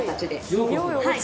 はい。